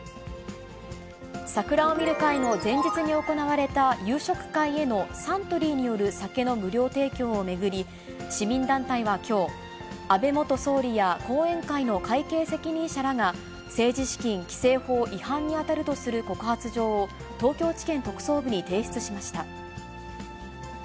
桜を見る会の前日に行われた夕食会へのサントリーによる酒の無料提供を巡り、市民団体はきょう、安倍元総理や後援会の会計責任者らが、政治資金規正法違反に当たるとする告発状を、東京地検特捜部に提出しました。